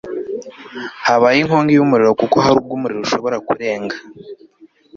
habaye inkongi y'umuriro kuko hari ubwo umuriro ushobora kurenga